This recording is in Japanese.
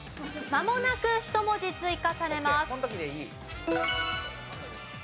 まもなく１文字追加されます。